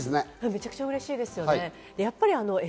めちゃくちゃ嬉しいですね。